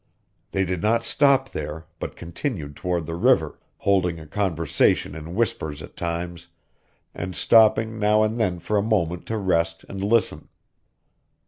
They did not stop there, but continued toward the river, holding a conversation in whispers at times, and stopping now and then for a moment to rest and listen.